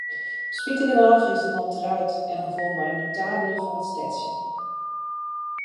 Spitigernôch is de man troud, en noch wol mei in notabele fan it stedsje.